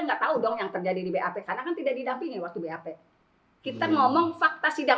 nggak tahu dong yang terjadi di bap karena kan tidak didampingi waktu bap kita ngomong fakta sidang